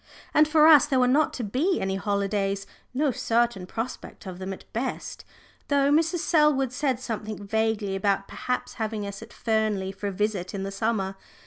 And for us there were not to be any holidays! No certain prospect of them at best, though Mrs. Selwood said something vaguely about perhaps having us at Fernley for a visit in the summer.